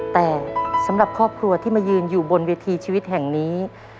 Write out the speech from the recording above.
แต่สำหรับครอบครัวที่มายืนอยู่บนเวทีชีวิตแห่งนี้